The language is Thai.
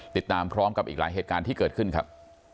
ติดตามพร้อมกับอีกหลายเหตุการณ์ที่เกิดขึ้นครับ